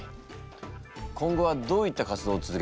今後はどういった活動を続けていくんだ？